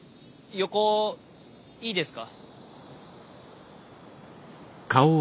横いいですか？